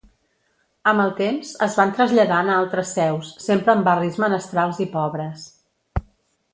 Amb el temps, es van traslladant a altres seus, sempre en barris menestrals i pobres.